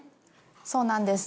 そうなんです